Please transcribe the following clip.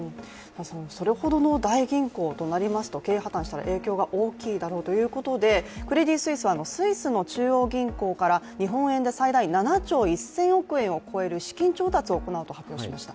それほどの大銀行となりますと経営破綻すると影響が大きいだろうということでクレディ・スイスはスイスの中央銀行から日本円で最大７兆１０００億円を超える資金調達を行うと発表しました。